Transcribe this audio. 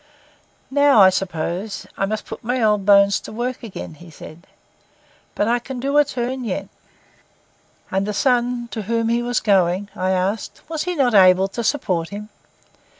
'Now, I suppose, I must put my old bones to work again,' said he; 'but I can do a turn yet.' And the son to whom he was going, I asked, was he not able to support him?